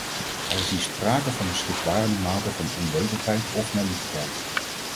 Er is hier sprake van een schrikbarende mate van onwetendheid of naïviteit.